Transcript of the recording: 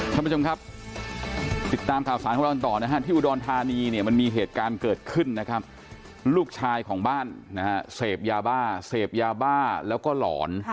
ท่านผู้ชมครับติดตามข่าวสารของเราต่อนะฮะที่อุดรธานีเนี่ยมันมีเหตุการณ์เกิดขึ้นนะครับลูกชายของบ้านนะฮะเสพยาบ้าเสพยาบ้าแล้วก็หลอน